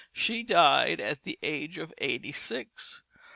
She died at the age of eighty six.